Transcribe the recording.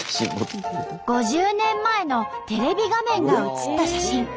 ５０年前のテレビ画面が写った写真。